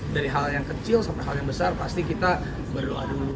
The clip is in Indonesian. dari hal yang kecil sampai hal yang besar pasti kita berdoa dulu